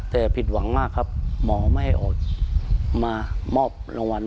แต่ผิดหวังมากครับหมอไม่ให้ออกมามอบรางวัล